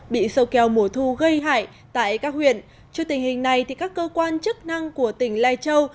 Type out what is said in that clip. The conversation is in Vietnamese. bị sâu keo mùa thu gây hại tại các huyện trước tình hình này các cơ quan chức năng của tỉnh lai châu